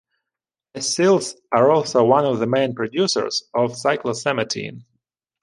S cells are also one of the main producers of cyclosamatin.